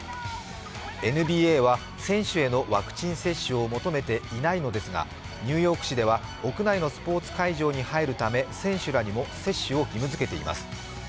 ＮＢＡは選手へのワクチン接種を求めていないのですが、ニューヨーク市では屋内のスポーツ会場に入るため選手らにも接種を義務づけています。